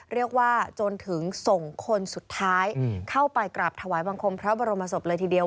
เรียกว่าจนถึงส่งคนสุดท้ายเข้าไปกราบถวายบังคมพระบรมศพเลยทีเดียว